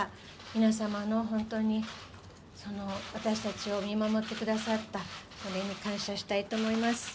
皆様の本当に私たちを見守ってくださったことに感謝したいと思います。